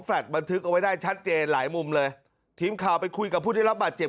บันทึกเอาไว้ได้ชัดเจนหลายมุมเลยทีมข่าวไปคุยกับผู้ได้รับบาดเจ็บ